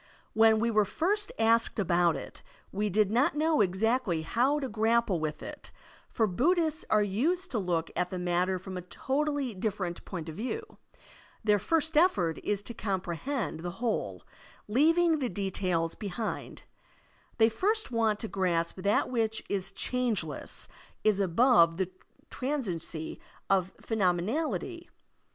When we were first asked about it, we did not know exactly how to grapple with it, for Buddhists are used to look at the matter from a totally different point of view. Their first effort is to comprehend the Digitized by Google 5$ SERMONS OP A BUDDHlSt ABBOT whole, leaving the details behind. They first want to grasp that which is changeless, is above the transiency of phenomenality.